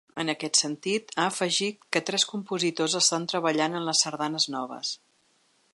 En aquest sentit, ha afegit que tres compositors estan treballant en les sardanes noves.